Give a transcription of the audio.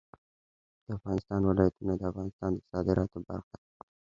د افغانستان ولايتونه د افغانستان د صادراتو برخه ده.